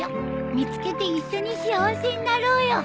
見つけて一緒に幸せになろうよ。